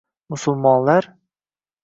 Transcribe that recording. Musulmonlar?